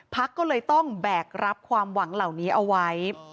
พักก็เลยต้องแบกรับความหวังเหล่านี้เอาไว้